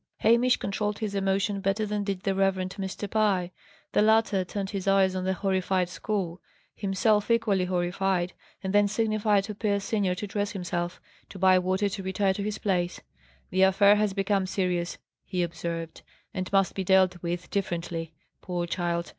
Hamish controlled his emotion better than did the Rev. Mr. Pye. The latter turned his eyes on the horrified school, himself equally horrified, and then signified to Pierce senior to dress himself to Bywater to retire to his place. "The affair has become serious," he observed, "and must be dealt with differently. Poor child!